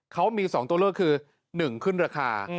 เขามี๒ตัวเลือกคือ๑ขึ้นราคา